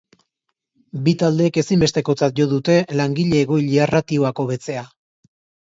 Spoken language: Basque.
Bi taldeek ezinbestekotzat jo dute langile-egoiliar ratioak hobetzea.